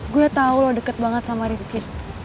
gue tau lo deket banget sama rizky